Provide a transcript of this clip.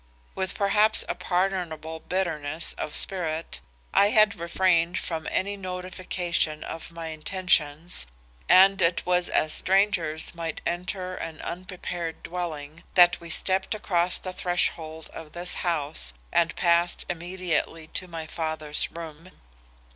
With perhaps a pardonable bitterness of spirit, I had refrained from any notification of my intentions, and it was as strangers might enter an unprepared dwelling, that we stepped across the threshold of this house and passed immediately to my father's room.